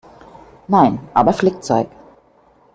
Nein, aber Flickzeug.